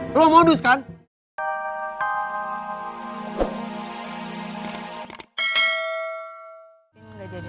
tidak ada yang bisa dikira